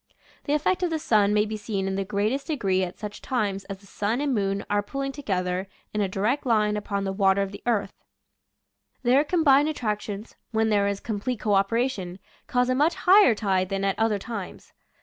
The effect of the sun may be seen in the greatest degree at such times as the sun and moon are pulling together in a direct line upon the water of the ocean. Their com bined attractions, when there is complete co operation, cause a much higher tide than at other times.